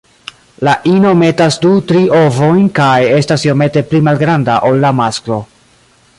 La ino metas du-tri ovojn kaj estas iomete pli malgranda ol la masklo.